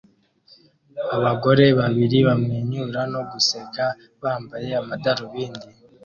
Abagore babiri bamwenyura no guseka bambaye amadarubindi